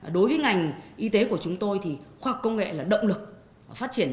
đối với ngành y tế của chúng tôi thì khoa học công nghệ là động lực phát triển